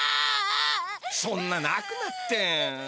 そんななくなって。